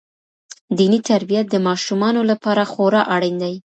دیني تربیت د ماشومانو لپاره خورا اړین دی.